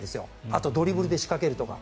あと、ドリブルで仕掛けるとか。